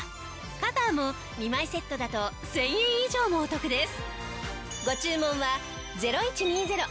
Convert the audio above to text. カバーも２枚セットだと１０００円以上もお得です。